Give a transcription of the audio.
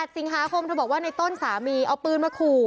สิงหาคมเธอบอกว่าในต้นสามีเอาปืนมาขู่